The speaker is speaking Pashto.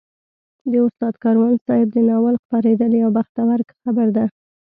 د استاد کاروان صاحب د ناول خپرېدل یو بختور خبر دی.